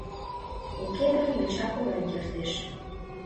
— Уке гын йоча колен кертеш.